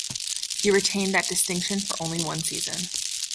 He retained that distinction for only one season.